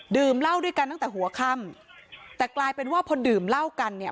เหล้าด้วยกันตั้งแต่หัวค่ำแต่กลายเป็นว่าพอดื่มเหล้ากันเนี่ย